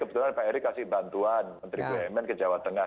kebetulan pak erick kasih bantuan menteri bumn ke jawa tengah